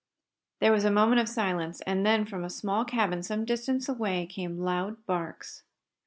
There was a moment of silence, and then, from a small cabin some distance away, came loud barks.